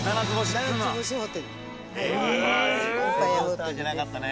セブンスターじゃなかったね。